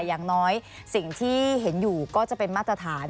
อย่างน้อยสิ่งที่เห็นอยู่ก็จะเป็นมาตรฐาน